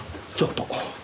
ちょっと。